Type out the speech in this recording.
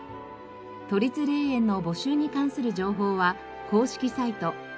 都立霊園の募集に関する情報は公式サイト